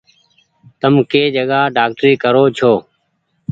تم ڪي جگآ ڊآڪٽري ڪري ڇي۔